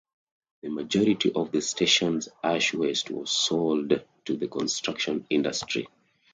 The majority of the station's ash waste was sold to the construction industry.